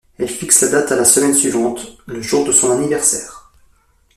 Elle fixe la date à la semaine suivante, le jour de son anniversaire.